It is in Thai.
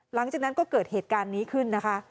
หลังจากนั้นก็เกิดเหตุการณ์นี้ขึ้นนะคะ